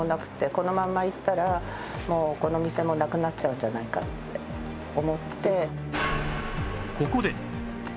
このままいったらもうこの店もなくなっちゃうんじゃないかって思って。